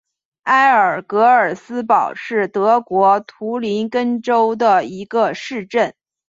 埃尔格尔斯堡是德国图林根州的一个市镇。